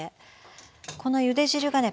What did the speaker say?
このゆで汁がね